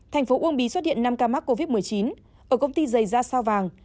thành phố uông bí xuất hiện năm ca mắc covid một mươi chín ở công ty dày da sao vàng